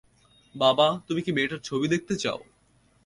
বাবা-- -তুমি কি মেয়েটার ছবি দেখতে চাও?